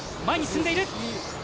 前に進んでいる。